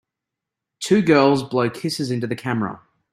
Two girls blow kisses into the camera.